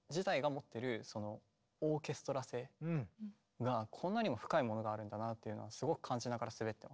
がこんなにも深いものがあるんだなというのをすごく感じながら滑ってますね